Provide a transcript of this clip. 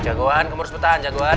jagoan kamu harus betahan jagoan